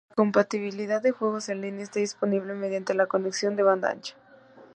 La compatibilidad de juegos en línea está disponible mediante la conexión de banda ancha.